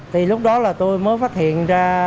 thì lúc đó là tôi mới phát hiện ra